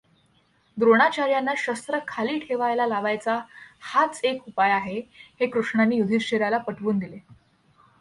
द्रोणाचार्यांना शस्त्र खाली ठेवायला लावायचा हाच एक उपाय आहे हे कृष्णाने युधिष्ठिराला पटवून दिले.